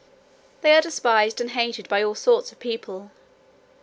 They are despised and hated by all sorts of people.